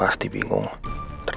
saya sudah bisa mengangkat telpon